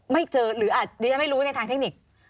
ไม่เจอหรือดิฉันไม่รู้ในทางเทคนิค